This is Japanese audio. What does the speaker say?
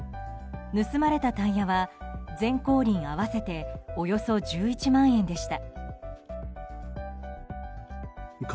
盗まれたタイヤは前後輪合わせておよそ１１万円でした。